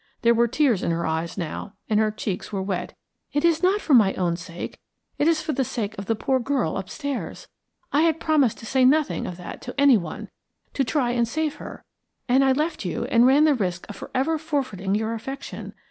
There were tears in her eyes now and her cheeks were wet. "It is not for my own sake it is for the sake of the poor girl upstairs. I had promised to say nothing of that to anyone to try and save her and I left you and ran the risk of for ever forfeiting your affection.